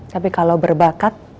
tapi kalau berbakat